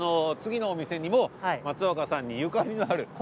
次のお店にも松岡さんにゆかりのある。